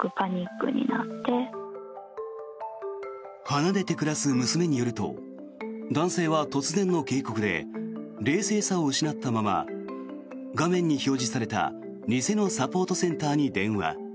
離れて暮らす娘によると男性は突然の警告で冷静さを失ったまま画面に表示された偽のサポートセンターに電話。